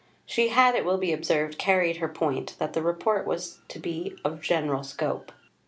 She had, it will be observed, carried her point, that the Report was to be of general scope.